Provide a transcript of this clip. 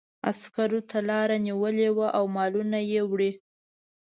عسکرو ته لاره نیولې وه او مالونه یې وړي.